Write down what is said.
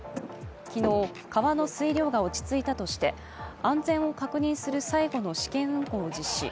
昨日、川の水量が落ち着いたとして安全を確認する最後の試験運航を実施。